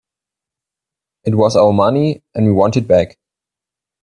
It was our money and we want it back.